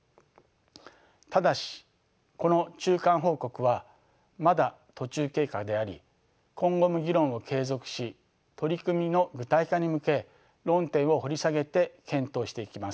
ただしこの中間報告はまだ途中経過であり今後も議論を継続し取り組みの具体化に向け論点を掘り下げて検討していきます。